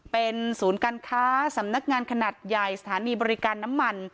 เป็นศูนย์การค้าสำนักงานขนาดใหญ่สถานีบริการน้ำมัน